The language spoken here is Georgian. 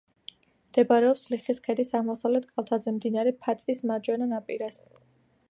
მდებარეობს ლიხის ქედის აღმოსავლეთ კალთაზე, მდინარე ფაწის მარჯვენა ნაპირას.